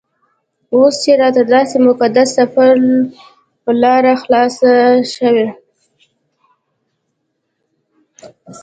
اوس چې راته دداسې مقدس سفر لاره خلاصه شوې.